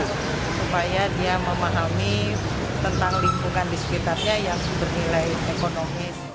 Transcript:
supaya dia memahami tentang lingkungan di sekitarnya yang bernilai ekonomis